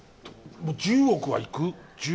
１０億はいく？